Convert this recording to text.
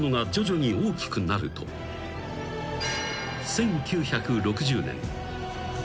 ［１９６０年］